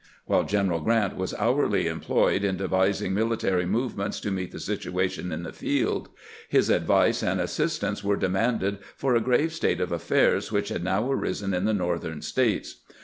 WhUe' General Grant was hourly employed in devising military movements to meet the situation in the field, his advice and assistance were demanded for a grave state of affairs which had now arisen in the Northern States.